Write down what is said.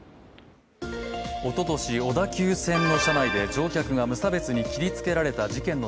おととし、小田急線の車内で乗客が無差別に切りつけられた事件の